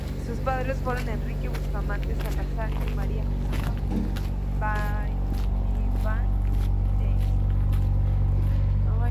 Sus padres fueron Enrique Bustamante Salazar y María Josefa Ballivián y Jaimes.